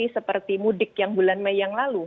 seperti mudik yang bulan mei yang lalu